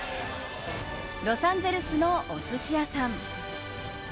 ロサンゼルスのおすし屋さん。